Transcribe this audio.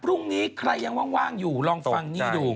พรุ่งนี้ใครยังว่างอยู่ลองฟังนี่ดู